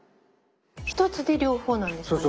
一つで両方なんですかね？